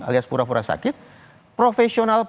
alias pura pura sakit profesional